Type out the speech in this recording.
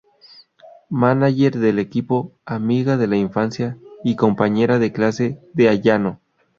Mánager del equipo, amiga de la infancia y compañera de clase de Ayano.